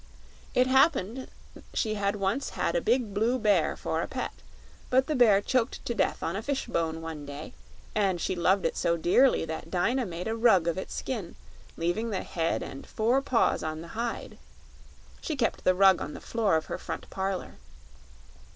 It happened she had once had a big blue bear for a pet; but the bear choked to death on a fishbone one day, and she loved it so dearly that Dyna made a rug of its skin, leaving the head and four paws on the hide. She kept the rug on the floor of her front parlor."